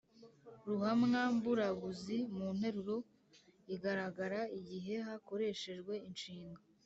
ruhamwa mburabuzi mu nteruro igaragara igihe hakoreshejwe inshinga